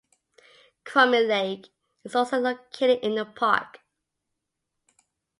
"Crummy Lake" is also located in the park.